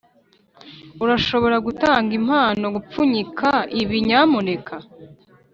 urashobora gutanga impano-gupfunyika ibi, nyamuneka?